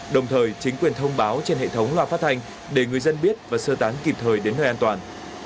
đồng thời chính quyền thông báo trên hệ thống loa phát hành để người dân biết và sơ tán kịp thời đến nơi an toàn